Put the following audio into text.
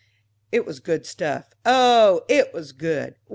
It was good stuff oh, it was good!